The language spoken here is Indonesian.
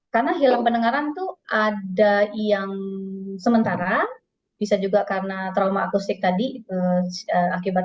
karena hilang pendengaran tuh ada yang sementara bisa juga karena trauma akustik tadi akibat